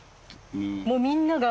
もうみんなが。